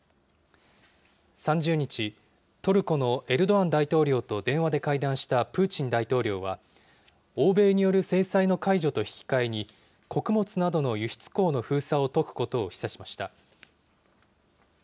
３０日、トルコのエルドアン大統領と電話で会談したプーチン大統領は、欧米による制裁の解除と引き換えに、穀物などの輸出港の封鎖を解くことを示唆しました。